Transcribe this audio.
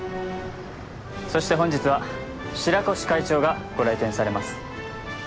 そして本日は白越会長がご来店されます。